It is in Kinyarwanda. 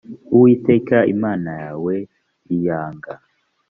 uwiteka imana yawe iyanga